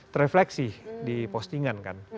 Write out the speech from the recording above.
terrefleksi di postingan kan